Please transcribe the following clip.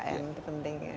itu penting ya